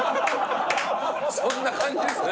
そんな感じですね。